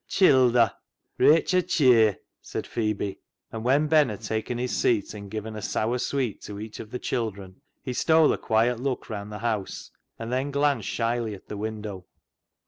" Childer, reitch a cheer," said Phebe, and when Ben had taken his seat, and given a sour sweet to each of the children, he stole a quiet look round the house, and then glanced shyly at the widow.